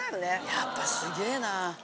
やっぱすげぇな。